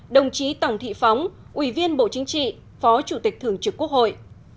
đồng chí tổng thị phóng ủy viên bộ chính trị phó chủ tịch thường trực quốc hội